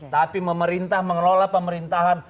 tapi pemerintah mengelola pemerintahan